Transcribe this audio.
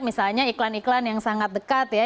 misalnya iklan iklan yang sangat dekat ya